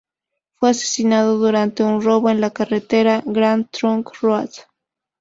Fue asesinado durante un robo en la carretera Grand Trunk Road.